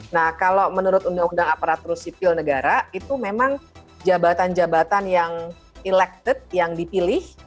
nah kalau menurut undang undang aparatur sipil negara itu memang jabatan jabatan yang elected yang dipilih